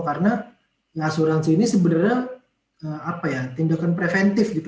karena asuransi ini sebenarnya tindakan preventif